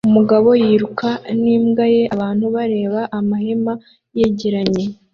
Umugabo yiruka n'imbwa ye abantu bareba amahema yegeranye